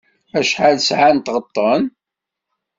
Acḥal sɛan n tɣeṭṭen?